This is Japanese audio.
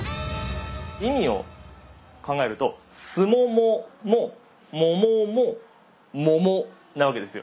意味を考えるとスモモもモモもモモなわけですよ。